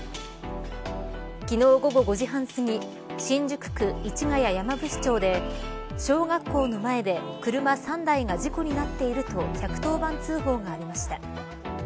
昨日午後５時半すぎ新宿区市谷山伏町で小学校の前で車３台が事故になっていると１１０番通報がありました。